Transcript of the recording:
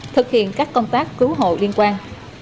thực hiện các công tác cứu hộ liên quan